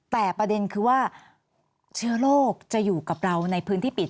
แต่ประเด็นคือว่าเชื้อโรคจะอยู่กับเราในพื้นที่ปิด